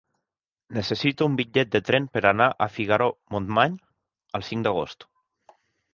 Necessito un bitllet de tren per anar a Figaró-Montmany el cinc d'agost.